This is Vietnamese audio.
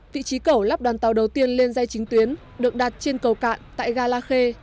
vị trí cẩu lắp đoàn tàu đầu tiên lên dây chính tuyến được đặt trên cầu cạn tại gala khê